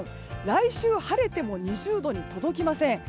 来週、晴れても２０度に届きません。